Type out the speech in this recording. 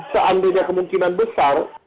seandainya kemungkinan besar